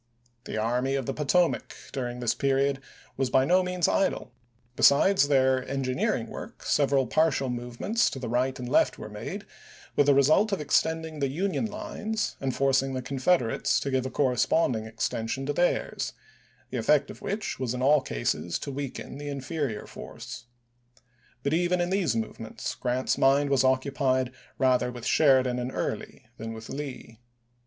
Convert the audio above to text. The Army of the Potomac during this period was by no means idle ; besides their engineering work, several partial movements to right and left were made, with the result of extending the Union lines, and forcing the Confederates to give a corresponding extension to theirs; the effect of which was in all cases to weaken the inferior force. But even in those move ments, Grant's mind was occupied rather with Sheridan and Early than with Lee.